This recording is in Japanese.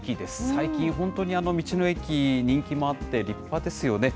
最近、本当に道の駅、人気もあって、立派ですよね。